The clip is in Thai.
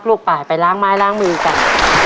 ตัวเลือดที่๓ม้าลายกับนกแก้วมาคอ